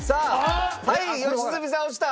はい良純さん押した。